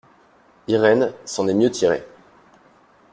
Irène s’en est mieux tirée.